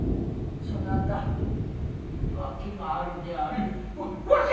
そなた訳があるであろう。